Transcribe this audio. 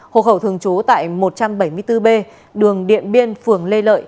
hồ hậu thường trú tại một trăm bảy mươi bốn b đường điện biên phường lê lợi